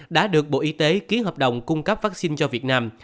đã được bộ y tế ký hợp đồng cung cấp vaccine cho việt nam